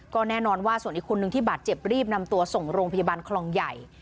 ก็แน่นอนว่าส่วนอีกคนนึงที่บาดเจ็บรีบนำตัวส่งโรงพยาบาลคลองใหญ่